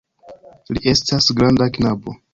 Li estas granda knabo.